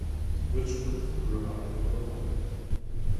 Wordsworth grew up in Brooklyn.